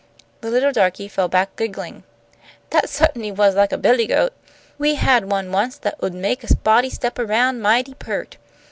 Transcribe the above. The little darky fell back giggling. "That sut'n'y was like a billy goat. We had one once that 'ud make a body step around mighty peart.